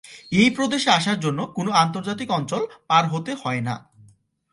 এই প্রদেশে আসার জন্য কোন আন্তর্জাতিক অঞ্চল পার হতে হয়না।